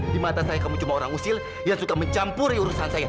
di mata saya kamu cuma orang usil yang suka mencampuri urusan saya